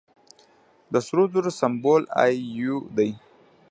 د سرو زرو سمبول ای یو دی.